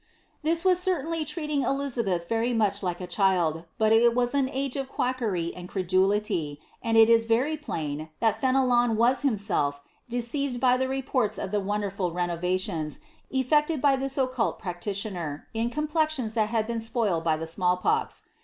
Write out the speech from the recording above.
This was certainly ireniin^ ElinlMh very much like a child, but it was an age of quackery and credulity, and ii IS very plain that Fenelon wm himself deceived by the reports of the wonderful renufations, e^i .. i ocrnJt practitioner, in com plexions that had been spoilt i ouiall poi.